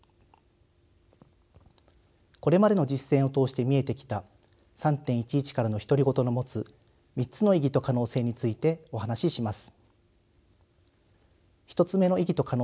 これまでの実践を通して見えてきた「３．１１からの独り言」の持つ３つの意義と可能性についてお話しします。